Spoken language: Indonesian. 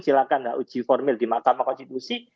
silakan lah uji formil di makam konstitusi